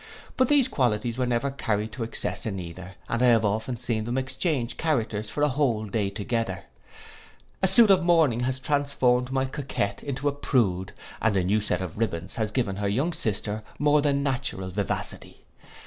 But these qualities were never carried to excess in either, and I have often seen them exchange characters for a whole day together. A suit of mourning has transformed my coquet into a prude, and a new set of ribbands has given her younger sister more than natural vivacity.